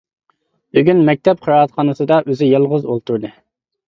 بۈگۈن مەكتەپ قىرائەتخانىسىدا ئۆزى يالغۇز ئولتۇردى.